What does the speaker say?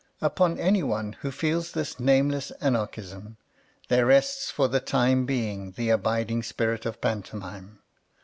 Upon any one who feels this nameless anarchism there rests for the time being the abiding spirit of pantomime.